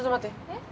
えっ？